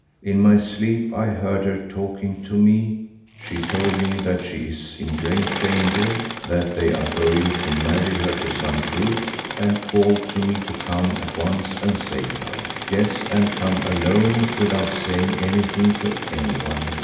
In my sleep I heard her talking to me. She told me that she is in great danger—that they are going to marry her to some brute—and called to me to come at once and save her; yes, and to come alone without saying anything to anyone.